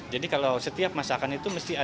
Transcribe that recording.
jadi kalau setiap masakan itu